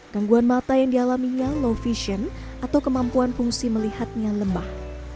gangguan mata yang dialaminya low vision atau kemampuan fungsi melihatnya lemah